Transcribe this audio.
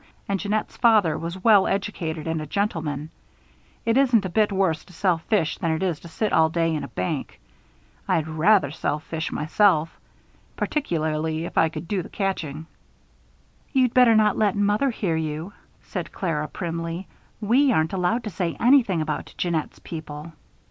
And Jeannette's father was well educated and a gentleman. It isn't a bit worse to sell fish than it is to sit all day in a bank. I'd rather sell fish, myself.... Particularly, if I could do the catching." "You'd better not let mother hear you," said Clara, primly. "We aren't allowed to say anything about Jeannette's people."